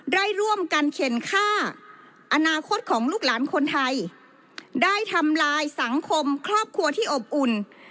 ได้ร่วมกันเข็นฆ่าอนาคตของลูกหลานคนไทยได้ทำลายสังคมครอบครัวที่อบอุ่น